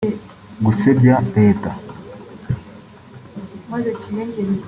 gusebya leta